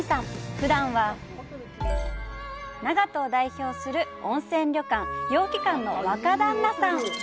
普段は長門を代表する温泉旅館「楊貴館」の若旦那さん。